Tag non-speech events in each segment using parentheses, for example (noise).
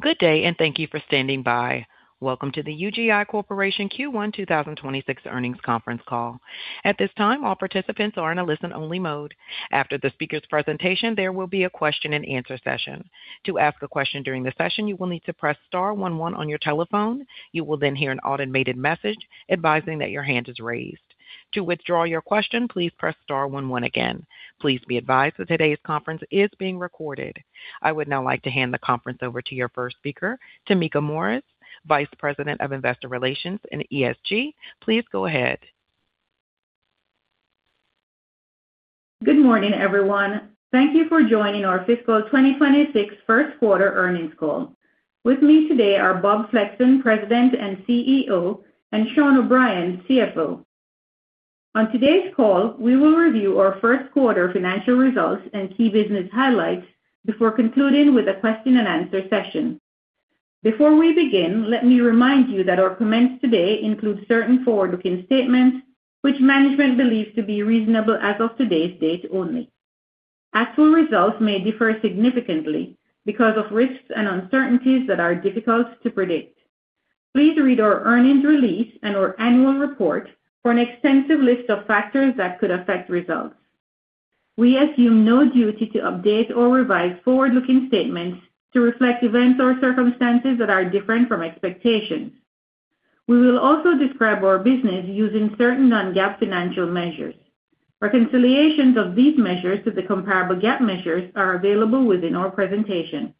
Good day, and thank you for standing by. Welcome to the UGI Corporation Q1 2026 Earnings Conference Call. At this time, all participants are in a listen-only mode. After the speaker's presentation, there will be a question-and-answer session. To ask a question during the session, you will need to press star one one on your telephone. You will then hear an automated message advising that your hand is raised. To withdraw your question, please press star one one again. Please be advised that today's conference is being recorded. I would now like to hand the conference over to your first speaker, Tameka Morris, Vice President of Investor Relations and ESG. Please go ahead. Good morning, everyone. Thank you for joining our fiscal 2026 first quarter earnings call. With me today are Bob Flexon, President and CEO, and Sean O'Brien, CFO. On today's call, we will review our first quarter financial results and key business highlights before concluding with a question-and-answer session. Before we begin, let me remind you that our comments today include certain forward-looking statements which management believes to be reasonable as of today's date only. Actual results may differ significantly because of risks and uncertainties that are difficult to predict. Please read our earnings release and our annual report for an extensive list of factors that could affect results. We assume no duty to update or revise forward-looking statements to reflect events or circumstances that are different from expectations. We will also describe our business using certain non-GAAP financial measures. Reconciliations of these measures to the comparable GAAP measures are available within our presentation.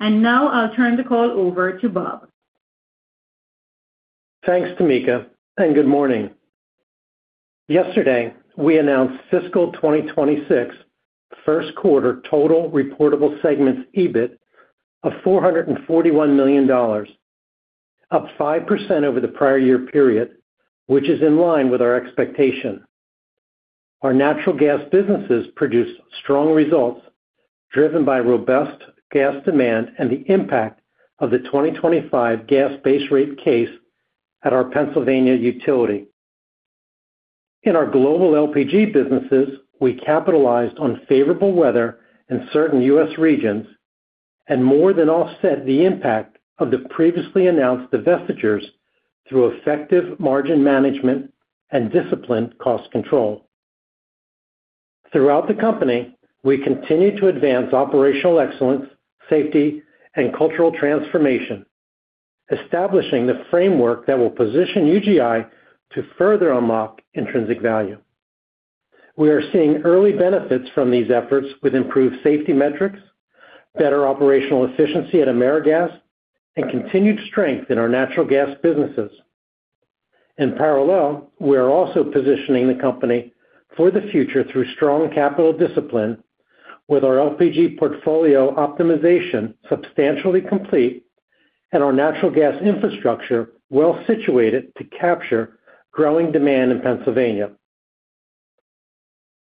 Now I'll turn the call over to Bob. Thanks, Tameka, and good morning. Yesterday, we announced fiscal 2026 first quarter total reportable segments EBIT of $441 million, up 5% over the prior year period, which is in line with our expectation. Our natural gas businesses produced strong results, driven by robust gas demand and the impact of the 2025 gas base rate case at our Pennsylvania utility. In our global LPG businesses, we capitalized on favorable weather in certain U.S. regions and more than offset the impact of the previously announced divestitures through effective margin management and disciplined cost control. Throughout the company, we continue to advance operational excellence, safety, and cultural transformation, establishing the framework that will position UGI to further unlock intrinsic value. We are seeing early benefits from these efforts with improved safety metrics, better operational efficiency at AmeriGas, and continued strength in our natural gas businesses. In parallel, we are also positioning the company for the future through strong capital discipline with our LPG portfolio optimization substantially complete and our natural gas infrastructure well situated to capture growing demand in Pennsylvania.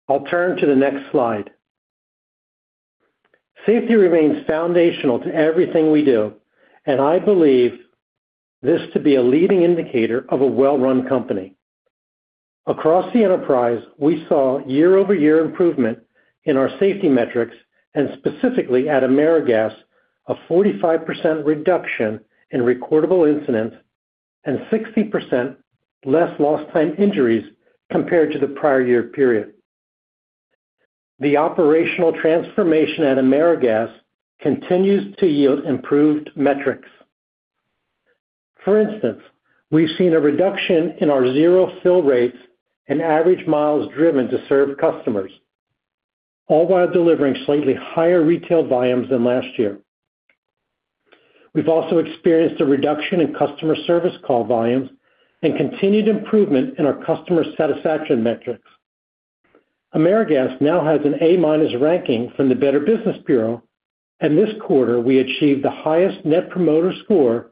I'll turn to the next slide. Safety remains foundational to everything we do, and I believe this to be a leading indicator of a well-run company. Across the enterprise, we saw year-over-year improvement in our safety metrics, and specifically at AmeriGas, a 45% reduction in recordable incidents and 60% less lost time injuries compared to the prior year period. The operational transformation at AmeriGas continues to yield improved metrics. For instance, we've seen a reduction in our zero fill rates and average miles driven to serve customers, all while delivering slightly higher retail volumes than last year. We've also experienced a reduction in customer service call volumes and continued improvement in our customer satisfaction metrics. AmeriGas now has an A-minus ranking from the Better Business Bureau, and this quarter, we achieved the highest Net Promoter Score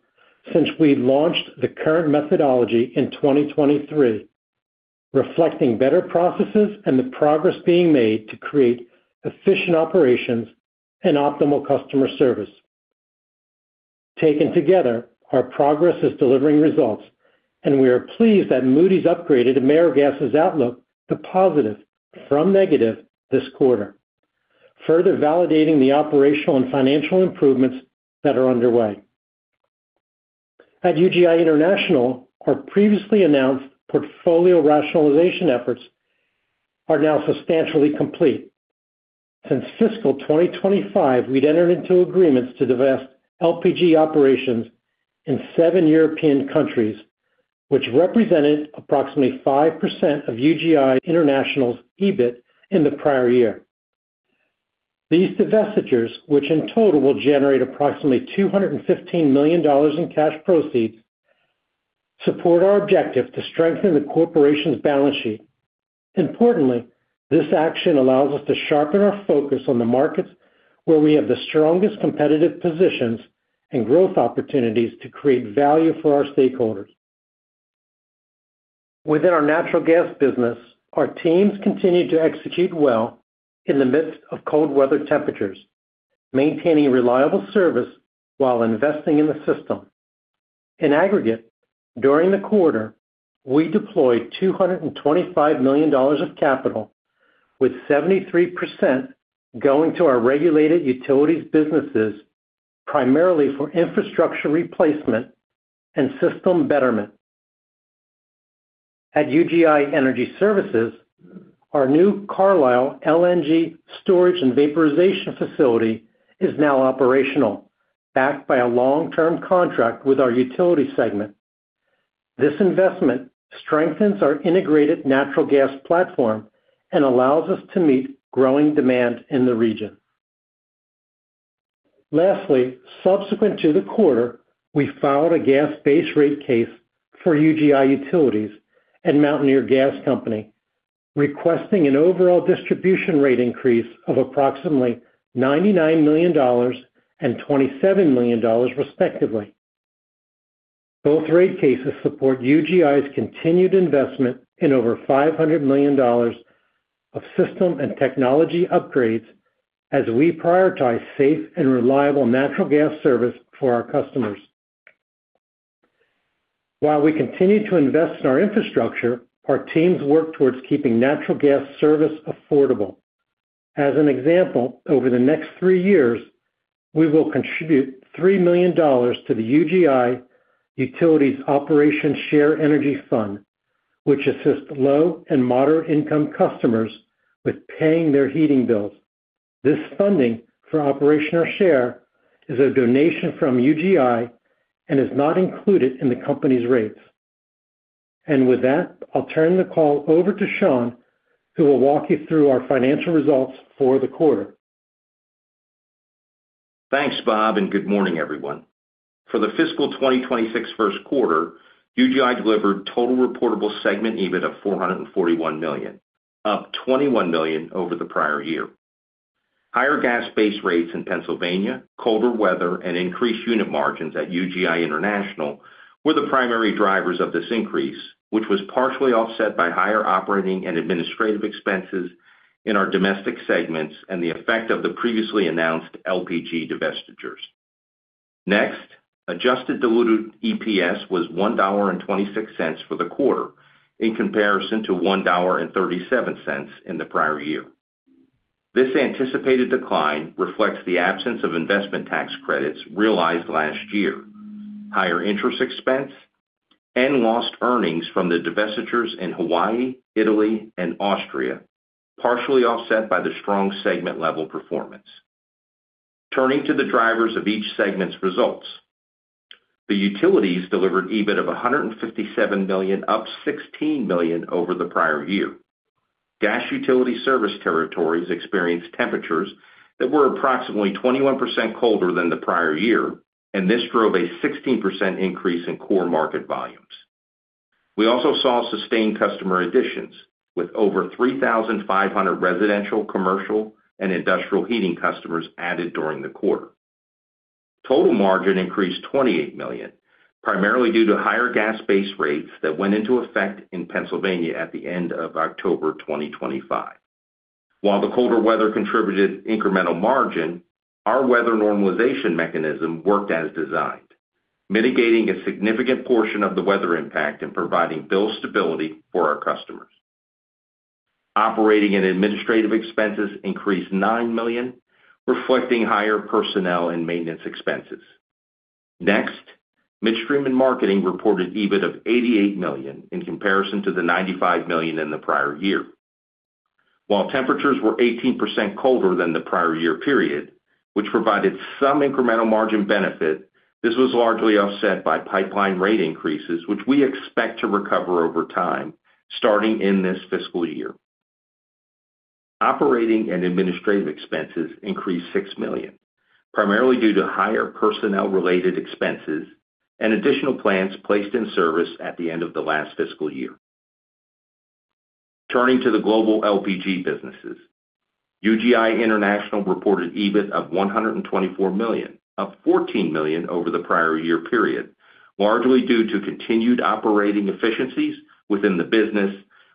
since we launched the current methodology in 2023, reflecting better processes and the progress being made to create efficient operations and optimal customer service. Taken together, our progress is delivering results, and we are pleased that Moody's upgraded AmeriGas's outlook to positive from negative this quarter, further validating the operational and financial improvements that are underway. At UGI International, our previously announced portfolio rationalization efforts are now substantially complete. Since fiscal 2025, we'd entered into agreements to divest LPG operations in seven European countries, which represented approximately 5% of UGI International's EBIT in the prior year. These divestitures, which in total will generate approximately $215 million in cash proceeds, support our objective to strengthen the corporation's balance sheet. Importantly, this action allows us to sharpen our focus on the markets where we have the strongest competitive positions and growth opportunities to create value for our stakeholders. Within our natural gas business, our teams continue to execute well in the midst of cold weather temperatures, maintaining reliable service while investing in the system. In aggregate, during the quarter, we deployed $225 million of capital, with 73% going to our regulated utilities businesses, primarily for infrastructure replacement and system betterment. At UGI Energy Services, our new Carlisle LNG storage and vaporization facility is now operational, backed by a long-term contract with our utility segment. This investment strengthens our integrated natural gas platform and allows us to meet growing demand in the region. Lastly, subsequent to the quarter, we filed a gas base rate case for UGI Utilities and Mountaineer Gas Company, requesting an overall distribution rate increase of approximately $99 million and $27 million, respectively. Both rate cases support UGI's continued investment in over $500 million of system and technology upgrades as we prioritize safe and reliable natural gas service for our customers. While we continue to invest in our infrastructure, our teams work towards keeping natural gas service affordable. As an example, over the next 3 years, we will contribute $3 million to the UGI Utilities Operation Share Energy Fund, which assists low and moderate-income customers with paying their heating bills. This funding for Operation Share is a donation from UGI and is not included in the company's rates. With that, I'll turn the call over to Sean, who will walk you through our financial results for the quarter. Thanks, Bob, and good morning, everyone. For the fiscal 2026 first quarter, UGI delivered total reportable segment EBIT of $441 million, up $21 million over the prior year. Higher gas base rates in Pennsylvania, colder weather, and increased unit margins at UGI International were the primary drivers of this increase, which was partially offset by higher operating and administrative expenses in our domestic segments and the effect of the previously announced LPG divestitures. Next, adjusted diluted EPS was $1.26 for the quarter, in comparison to $1.37 in the prior year. This anticipated decline reflects the absence of investment tax credits realized last year, higher interest expense and lost earnings from the divestitures in Hawaii, Italy, and Austria, partially offset by the strong segment-level performance. Turning to the drivers of each segment's results. The utilities delivered EBIT of $157 million, up $16 million over the prior year. Gas utility service territories experienced temperatures that were approximately 21% colder than the prior year, and this drove a 16% increase in core market volumes. We also saw sustained customer additions, with over 3,500 residential, commercial, and industrial heating customers added during the quarter. Total margin increased $28 million, primarily due to higher gas base rates that went into effect in Pennsylvania at the end of October 2025. While the colder weather contributed incremental margin, our weather normalization mechanism worked as designed, mitigating a significant portion of the weather impact and providing bill stability for our customers. Operating and administrative expenses increased $9 million, reflecting higher personnel and maintenance expenses. Next, Midstream and Marketing reported EBIT of $88 million in comparison to the $95 million in the prior year. While temperatures were 18% colder than the prior year period, which provided some incremental margin benefit, this was largely offset by pipeline rate increases, which we expect to recover over time starting in this fiscal year. Operating and administrative expenses increased $6 million, primarily due to higher personnel-related expenses and additional plans placed in service at the end of the last fiscal year. Turning to the global LPG businesses. UGI International reported EBIT of $124 million, up $14 million over the prior year period, largely due to continued operating efficiencies within the business,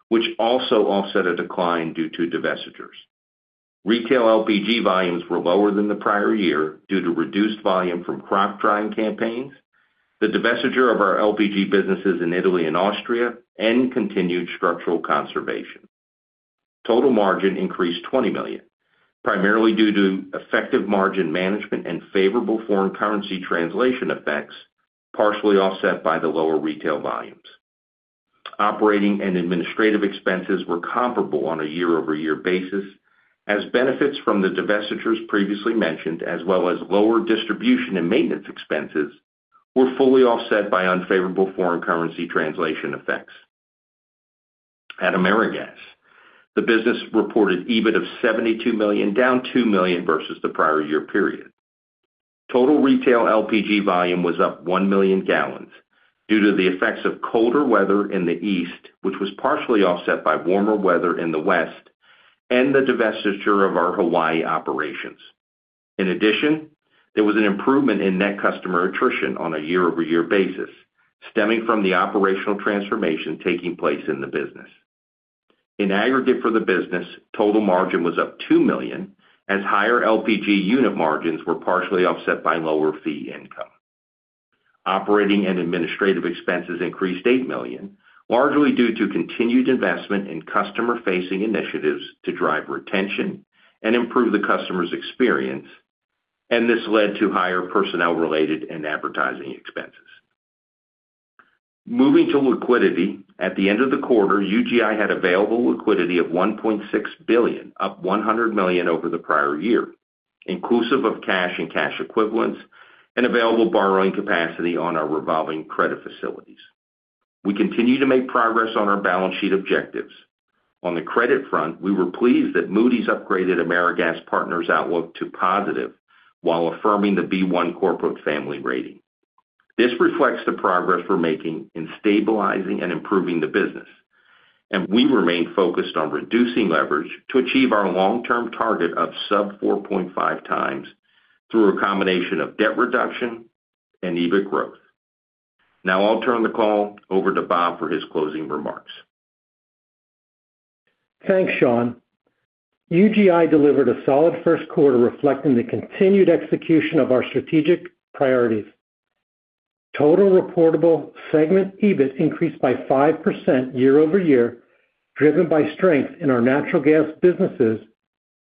which also offset a decline due to divestitures. Retail LPG volumes were lower than the prior year due to reduced volume from crop drying campaigns, the divestiture of our LPG businesses in Italy and Austria, and continued structural conservation. Total margin increased $20 million, primarily due to effective margin management and favorable foreign currency translation effects, partially offset by the lower retail volumes. Operating and administrative expenses were comparable on a year-over-year basis, as benefits from the divestitures previously mentioned, as well as lower distribution and maintenance expenses, were fully offset by unfavorable foreign currency translation effects. At AmeriGas, the business reported EBIT of $72 million, down $2 million versus the prior year period. Total retail LPG volume was up 1 million gallons due to the effects of colder weather in the east, which was partially offset by warmer weather in the west and the divestiture of our Hawaii operations. In addition, there was an improvement in net customer attrition on a year-over-year basis, stemming from the operational transformation taking place in the business. In aggregate for the business, total margin was up $2 million, as higher LPG unit margins were partially offset by lower fee income. Operating and administrative expenses increased $8 million, largely due to continued investment in customer-facing initiatives to drive retention and improve the customer's experience, and this led to higher personnel-related and advertising expenses. Moving to liquidity, at the end of the quarter, UGI had available liquidity of $1.6 billion, up $100 million over the prior year, inclusive of cash and cash equivalents and available borrowing capacity on our revolving credit facilities. We continue to make progress on our balance sheet objectives. On the credit front, we were pleased that Moody's upgraded AmeriGas Partners' outlook to positive while affirming the B1 corporate family rating. This reflects the progress we're making in stabilizing and improving the business, and we remain focused on reducing leverage to achieve our long-term target of sub 4.5x through a combination of debt reduction and EBIT growth. Now I'll turn the call over to Bob for his closing remarks. Thanks, Sean. UGI delivered a solid first quarter, reflecting the continued execution of our strategic priorities. Total reportable segment EBIT increased by 5% year-over-year, driven by strength in our natural gas businesses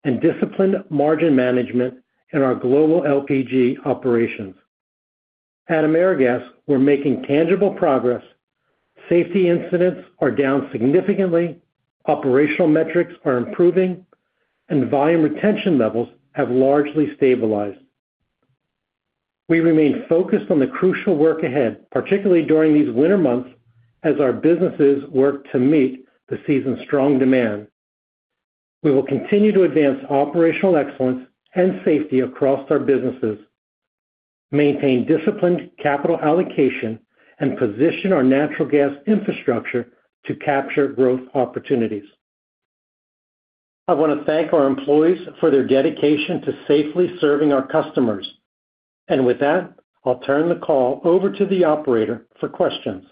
and disciplined margin management in our global LPG operations. At AmeriGas, we're making tangible progress. Safety incidents are down significantly, operational metrics are improving, and volume retention levels have largely stabilized. We remain focused on the crucial work ahead, particularly during these winter months, as our businesses work to meet the season's strong demand. We will continue to advance operational excellence and safety across our businesses, maintain disciplined capital allocation, and position our natural gas infrastructure to capture growth opportunities. I wanna thank our employees for their dedication to safely serving our customers. And with that, I'll turn the call over to the operator for questions.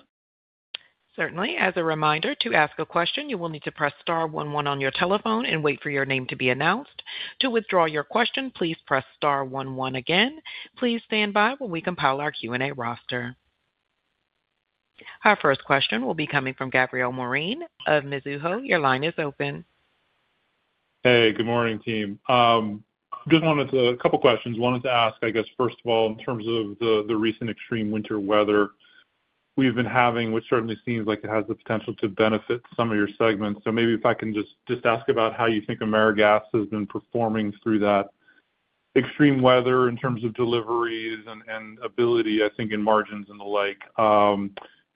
Certainly. As a reminder, to ask a question, you will need to press star one one on your telephone and wait for your name to be announced. To withdraw your question, please press star one one again. Please stand by while we compile our Q&A roster. Our first question will be coming from Gabriel Moreen of Mizuho. Your line is open. Hey, good morning, team. Just wanted to ask a couple questions. Wanted to ask, I guess, first of all, in terms of the recent extreme winter weather we've been having, which certainly seems like it has the potential to benefit some of your segments. So maybe if I can just ask about how you think AmeriGas has been performing through that extreme weather in terms of deliveries and ability, I think, in margins and the like.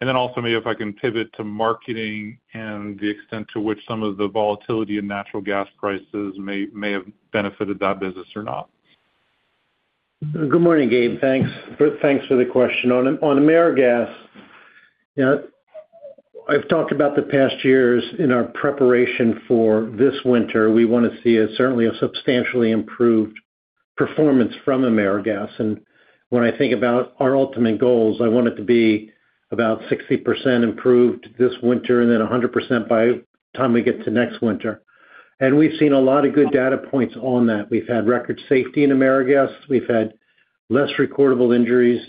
And then also, maybe if I can pivot to marketing and the extent to which some of the volatility in natural gas prices may have benefited that business or not. Good morning, Gabe. Thanks. Thanks for the question. On AmeriGas, you know, I've talked about the past years in our preparation for this winter. We wanna see certainly a substantially improved performance from AmeriGas, and when I think about our ultimate goals, I want it to be about 60% improved this winter and then 100% by the time we get to next winter. And we've seen a lot of good data points on that. We've had record safety in AmeriGas. We've had less recordable injuries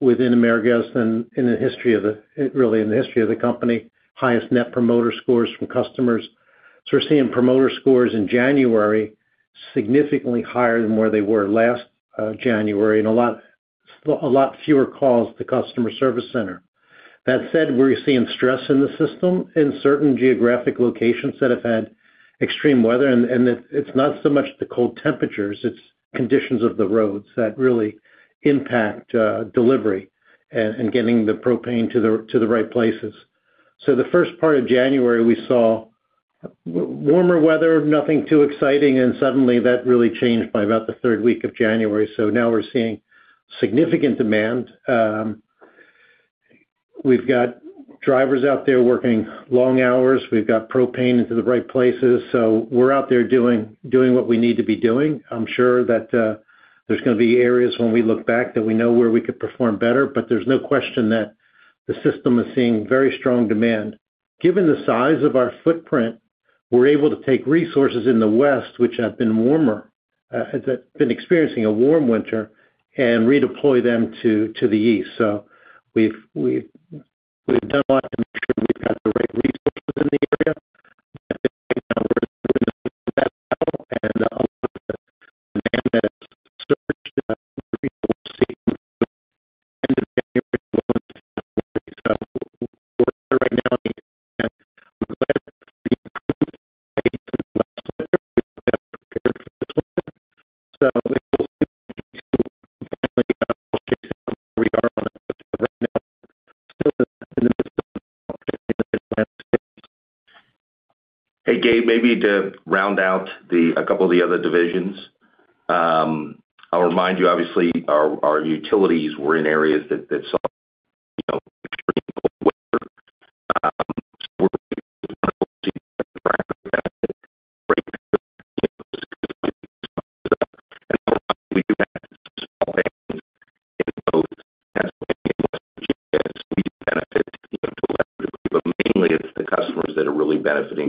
within AmeriGas than in the history of the company, really, highest Net Promoter Scores from customers. So we're seeing promoter scores in January significantly higher than where they were last January, and a lot, a lot fewer calls to customer service center. That said, we're seeing stress in the system in certain geographic locations that have had extreme weather, and it, it's not so much the cold temperatures, it's conditions of the roads that really impact delivery and getting the propane to the right places. So the first part of January, we saw warmer weather, nothing too exciting, and suddenly that really changed by about the third week of January. So now we're seeing significant demand. We've got drivers out there working long hours. We've got propane into the right places, so we're out there doing what we need to be doing. I'm sure that there's gonna be areas when we look back, that we know where we could perform better, but there's no question that the system is seeing very strong demand. Given the size of our footprint, we're able to take resources in the west, which have been warmer, has been experiencing a warm winter, and redeploy them to the east. So we've done a lot to make sure we've got the right resources in the area. I think right now we're in the battle, and a lot of the demand has surged. (audio distortion) Hey, Gabe, maybe to round out a couple of the other divisions. I'll remind you, obviously, our, our utilities were in areas that, that saw, (audio distortion) but mainly it's the customers that are really benefiting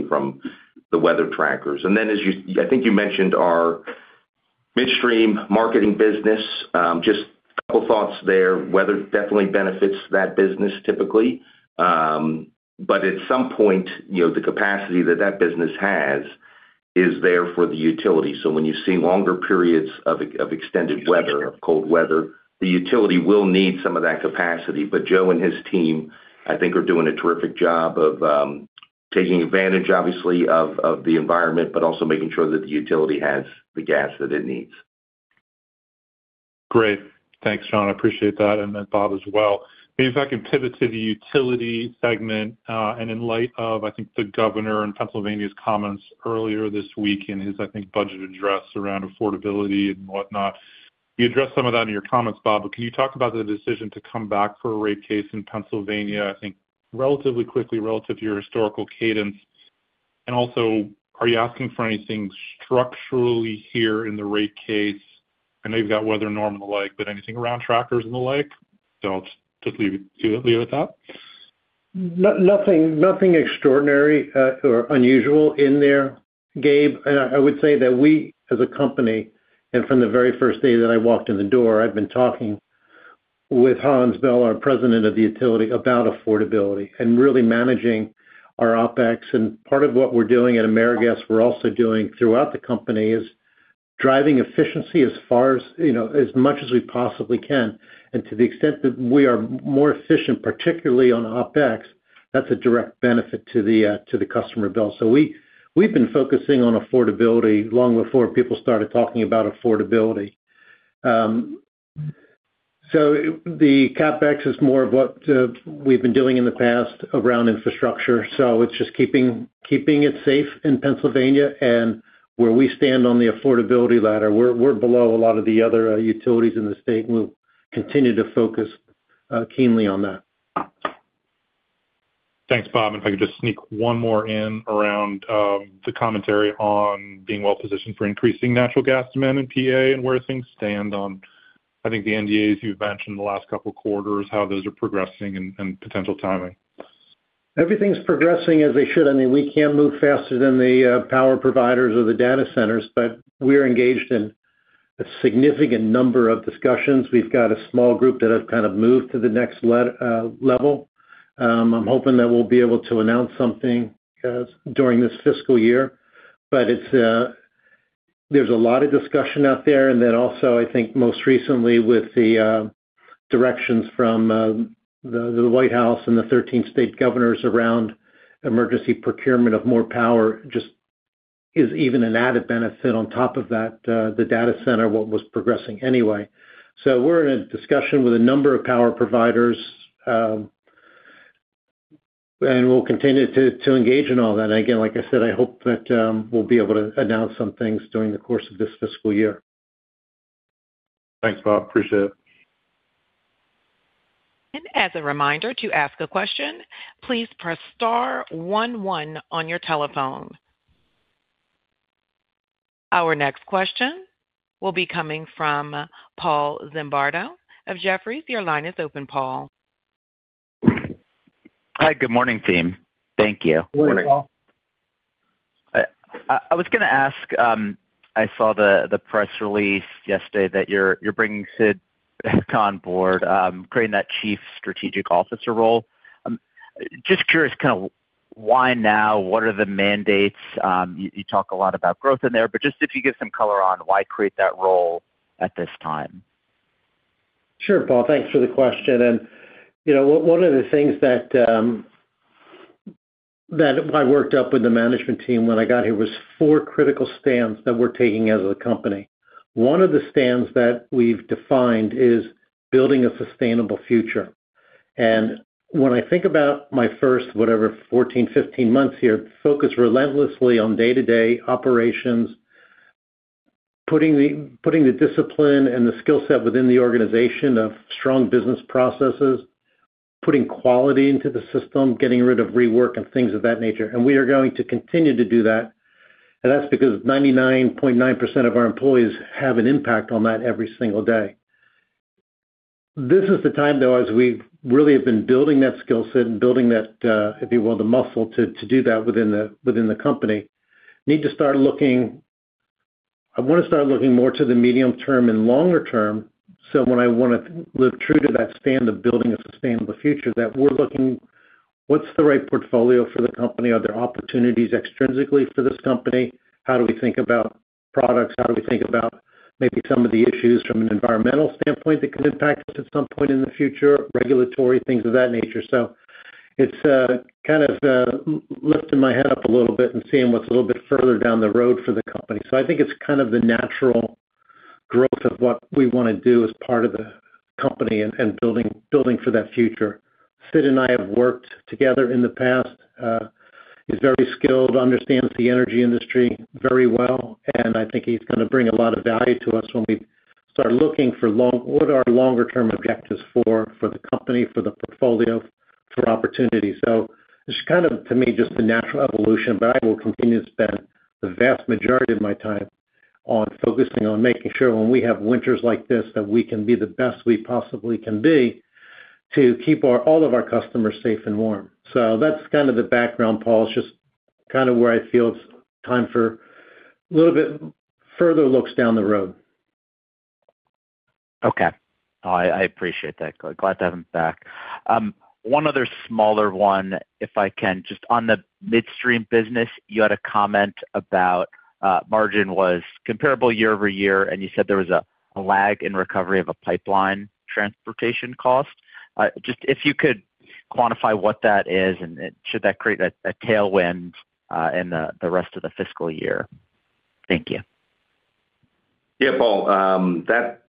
from the weather trackers. And then as you, I think you mentioned our midstream marketing business. Just a couple thoughts there. Weather definitely benefits that business typically. But at some point, you know, the capacity that that business has is there for the utility. So when you see longer periods of, of extended weather, cold weather, the utility will need some of that capacity. But Joe and his team, I think, are doing a terrific job of taking advantage, obviously, of the environment, but also making sure that the utility has the gas that it needs. Great. Thanks, Sean. I appreciate that, and then Bob as well. If I can pivot to the utility segment, and in light of, I think, the governor in Pennsylvania's comments earlier this week in his, I think, budget address around affordability and whatnot. You addressed some of that in your comments, Bob, but can you talk about the decision to come back for a rate case in Pennsylvania, I think relatively quickly, relative to your historical cadence? And also, are you asking for anything structurally here in the rate case? I know you've got weather norm and the like, but anything around trackers and the like? So I'll just leave it, leave it with that. Nothing, nothing extraordinary or unusual in there, Gabe. And I would say that we, as a company, and from the very first day that I walked in the door, I've been talking with Hans Bell, our President of the utility, about affordability and really managing our OpEx. And part of what we're doing at AmeriGas, we're also doing throughout the company, is driving efficiency as far as, you know, as much as we possibly can. And to the extent that we are more efficient, particularly on OpEx, that's a direct benefit to the customer bill. So we've been focusing on affordability long before people started talking about affordability. So the CapEx is more of what we've been doing in the past around infrastructure. So it's just keeping it safe in Pennsylvania and where we stand on the affordability ladder. We're below a lot of the other utilities in the state, and we'll continue to focus keenly on that. Thanks, Bob. If I could just sneak one more in around the commentary on being well-positioned for increasing natural gas demand in PA and where things stand on, I think, the NDAs you've mentioned in the last couple of quarters, how those are progressing and potential timing? Everything's progressing as they should. I mean, we can't move faster than the power providers or the data centers, but we are engaged in a significant number of discussions. We've got a small group that have kind of moved to the next level. I'm hoping that we'll be able to announce something during this fiscal year, but it's, there's a lot of discussion out there. And then also, I think most recently with the directions from the White House and the 13 state governors around emergency procurement of more power, just is even an added benefit on top of that, the data center, what was progressing anyway. So we're in a discussion with a number of power providers, and we'll continue to engage in all that. Again, like I said, I hope that we'll be able to announce some things during the course of this fiscal year. Thanks, Bob. Appreciate it. As a reminder, to ask a question, please press star one one on your telephone. Our next question will be coming from Paul Zimbardo of Jefferies. Your line is open, Paul. Hi, good morning, team. Thank you. Good morning, Paul. I was gonna ask, I saw the press release yesterday that you're bringing Sid on board, creating that Chief Strategic Officer role. Just curious, kind of why now? What are the mandates? You talk a lot about growth in there, but just if you give some color on why create that role at this time. Sure, Paul, thanks for the question. And you know, one of the things that I worked up with the management team when I got here was 4 critical stands that we're taking as a company. One of the stands that we've defined is building a sustainable future. And when I think about my first, whatever, 14, 15 months here, focus relentlessly on day-to-day operations, putting the discipline and the skill set within the organization of strong business processes, putting quality into the system, getting rid of rework and things of that nature. And we are going to continue to do that, and that's because 99.9% of our employees have an impact on that every single day. This is the time, though, as we've really have been building that skill set and building that, if you will, the muscle to, to do that within the, within the company. Need to start looking. I want to start looking more to the medium term and longer term. So when I want to live true to that stand of building a sustainable future, that we're looking: what's the right portfolio for the company? Are there opportunities extrinsically for this company? How do we think about products? How do we think about maybe some of the issues from an environmental standpoint that could impact us at some point in the future, regulatory things of that nature? So it's, kind of, lifting my head up a little bit and seeing what's a little bit further down the road for the company. So I think it's kind of the natural growth of what we want to do as part of the company and building for that future. Sid and I have worked together in the past. He's very skilled, understands the energy industry very well, and I think he's gonna bring a lot of value to us when we start looking for longer-term objectives for the company, for the portfolio, for opportunities? So it's kind of, to me, just a natural evolution, but I will continue to spend the vast majority of my time on focusing on making sure when we have winters like this, that we can be the best we possibly can be to keep all of our customers safe and warm. So that's kind of the background, Paul. It's just kind of where I feel it's time for a little bit further looks down the road. Okay. I appreciate that. Glad to have him back. One other smaller one, if I can. Just on the Midstream business, you had a comment about margin was comparable year-over-year, and you said there was a lag in recovery of a pipeline transportation cost. Just if you could quantify what that is, and should that create a tailwind in the rest of the fiscal year? Thank you. Yeah, Paul.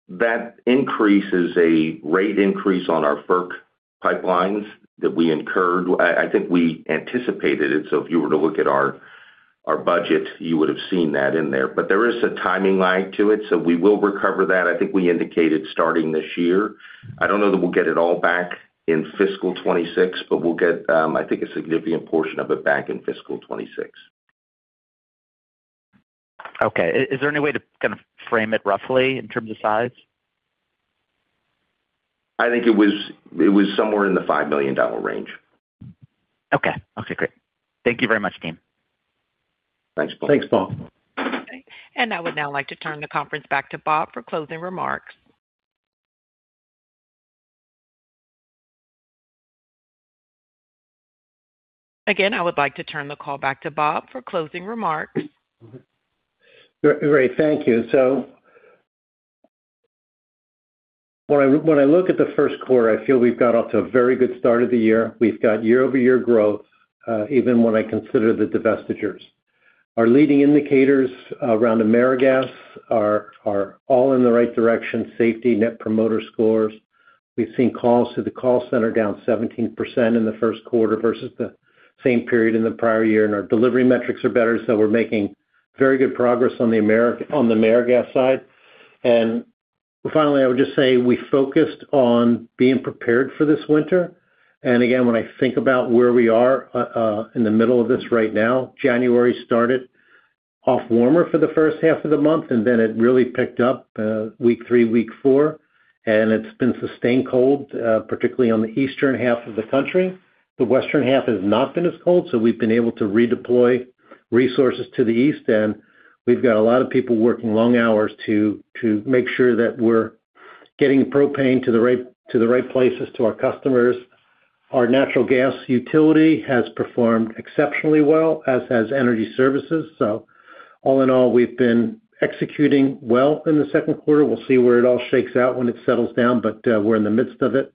That increase is a rate increase on our FERC pipelines that we incurred. I think we anticipated it, so if you were to look at our budget, you would have seen that in there. But there is a timing lag to it, so we will recover that. I think we indicated starting this year. I don't know that we'll get it all back in fiscal 2026, but we'll get, I think, a significant portion of it back in fiscal 2026. Okay. Is there any way to kind of frame it roughly in terms of size? I think it was somewhere in the $5 million range. Okay. Okay, great. Thank you very much, team. Thanks, Paul. Thanks, Paul. I would now like to turn the conference back to Bob for closing remarks. Again, I would like to turn the call back to Bob for closing remarks. Great. Thank you. So when I, when I look at the first quarter, I feel we've got off to a very good start of the year. We've got year-over-year growth, even when I consider the divestitures. Our leading indicators around AmeriGas are, are all in the right direction, safety, net promoter scores. We've seen calls to the call center down 17% in the first quarter versus the same period in the prior year, and our delivery metrics are better, so we're making very good progress on the Ameri- on the AmeriGas side. And finally, I would just say we focused on being prepared for this winter. Again, when I think about where we are in the middle of this right now, January started off warmer for the first half of the month, and then it really picked up week three, week four, and it's been sustained cold, particularly on the eastern half of the country. The western half has not been as cold, so we've been able to redeploy resources to the east, and we've got a lot of people working long hours to make sure that we're getting propane to the right places to our customers. Our natural gas utility has performed exceptionally well, as has energy services. So all in all, we've been executing well in the second quarter. We'll see where it all shakes out when it settles down, but we're in the midst of it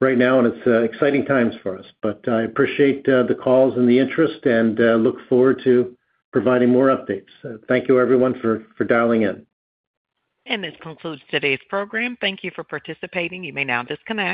right now, and it's exciting times for us. But I appreciate the calls and the interest and look forward to providing more updates. Thank you, everyone, for dialing in. This concludes today's program. Thank you for participating. You may now disconnect.